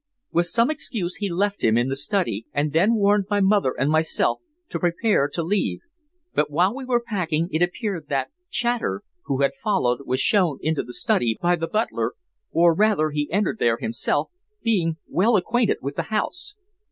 "With some excuse he left him in the study, and then warned my mother and myself to prepare to leave. But while we were packing, it appeared that Chater, who had followed, was shown into the study by the butler, or rather he entered there himself, being well acquainted with the house.